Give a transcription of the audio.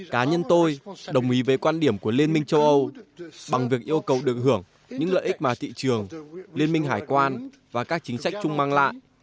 cá nhân tôi đồng ý về quan điểm của liên minh châu âu bằng việc yêu cầu được hưởng những lợi ích mà thị trường liên minh hải quan và các chính sách chung mang lại